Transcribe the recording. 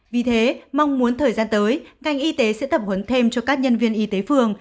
vì thế mong muốn thời gian tới ngành y tế sẽ tập huấn thêm cho các nhân viên y tế phường